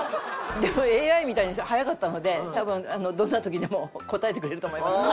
でもＡＩみたいに速かったので多分どんな時でも答えてくれると思います。